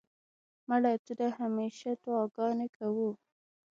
مړه ته د همېشه دعا ګانې کوو